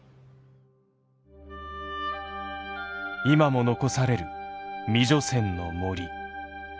今も残される未除染の森。